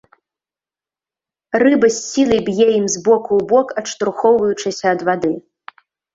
Рыба з сілай б'е ім з боку ў бок, адштурхоўваючыся ад вады.